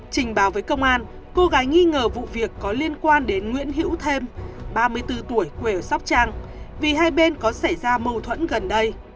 trình báo với công an cô gái nghi ngờ vụ việc có liên quan đến nguyễn hữu thêm ba mươi bốn tuổi quê ở sóc trăng vì hai bên có xảy ra mâu thuẫn gần đây